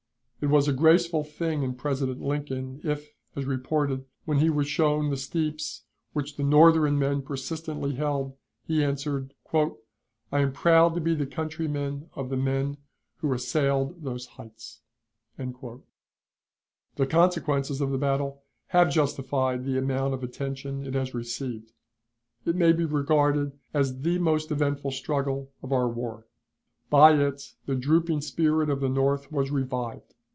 It was a graceful thing in President Lincoln if, as reported, when he was shown the steeps which the Northern men persistently held, he answered, "I am proud to be the countryman of the men who assailed those heights." The consequences of the battle have justified the amount of attention it has received. It may be regarded as the most eventful struggle of the war. By it the drooping spirit of the North was revived.